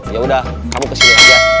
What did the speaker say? yaudah kamu kesini aja